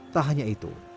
tak hanya itu